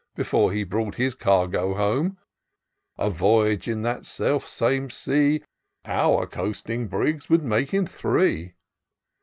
Before he brought his cargo home : A voyage in that self same sea, Our coasting brigs would make in three.